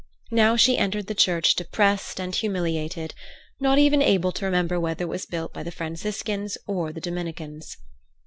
Now she entered the church depressed and humiliated, not even able to remember whether it was built by the Franciscans or the Dominicans.